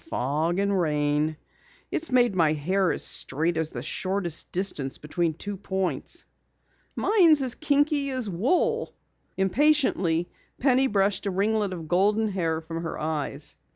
Rain and fog! It's made my hair as straight as the shortest distance between two points." "Mine's as kinky as wool." Impatiently Penny brushed a ringlet of golden hair from her eyes.